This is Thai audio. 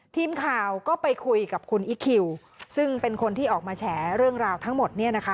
ทีมข่าวก็ไปคุยกับคุณอีคคิวซึ่งเป็นคนที่ออกมาแฉเรื่องราวทั้งหมดเนี่ยนะคะ